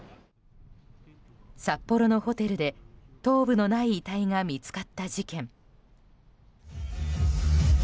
札幌のホテルで、頭部のない遺体が見つかった事件。